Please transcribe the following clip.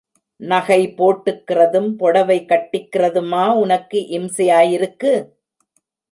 நகை போட்டுக்கிறதும் பொடவை கட்டிக்கிறதுமா உனக்கு, இம்சையாயிருக்கு?